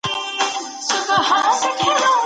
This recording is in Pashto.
سېلونه راسي د توتکیو